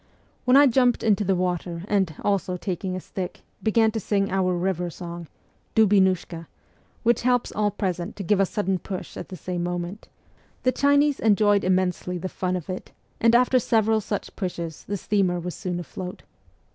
When I jumped into the water and, also taking a stick, began to sing our river song, ' Dubinushka,' which helps all present to give a sudden push at the same moment, the Chinese enjoyed immensely the fun of it, SIBERIA 245 and after several such pushes the steamer was soon afloat.